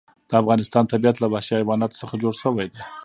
د افغانستان طبیعت له وحشي حیواناتو څخه جوړ شوی دی.